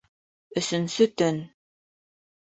Өсөнсө төн